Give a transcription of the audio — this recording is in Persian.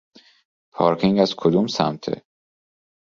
پارکینگ از کدوم سمته؟